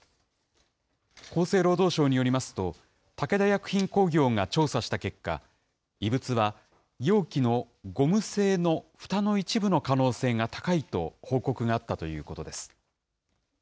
厚生労働省によりますと、武田薬品工業が調査した結果、異物は、容器のゴム製のふたの一部の可能性が高いと報告があったということです。